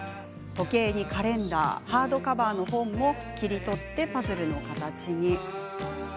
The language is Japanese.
時計にカレンダーハードカバーの本も切り取ってパズルの形に。